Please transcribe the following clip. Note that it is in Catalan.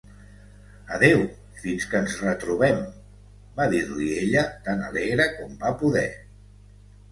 "Adeu, fins que ens retrobem!", va dir-li ella tan alegre com va poder.